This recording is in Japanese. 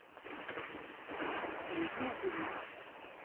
でも変な気分。